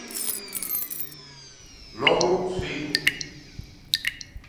Logo sigo.